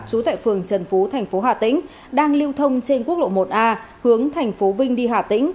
trú tại phường trần phú thành phố hà tĩnh đang lưu thông trên quốc lộ một a hướng thành phố vinh đi hà tĩnh